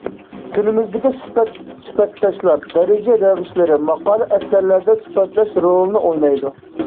تىلىمىزدىكى سۈپەت، سۈپەتداشلار، دەرىجە رەۋىشلىرى ماقالە-ئەسەرلەردە سۈپەتلەش رولىنى ئوينايدۇ.